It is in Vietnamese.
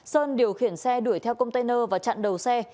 sơn điều khiển xe đuổi theo container và chặn đầu xe